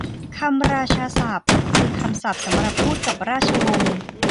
คำราชาศัพท์ คือคำศัพท์สำหรับพูดกับราชวงศ์